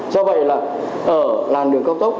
do vậy là ở làng đường cao tốc